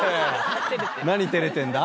何照れてんだ？